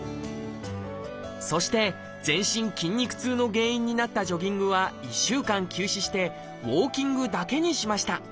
そして全身筋肉痛の原因になったジョギングは１週間休止してウォーキングだけにしました。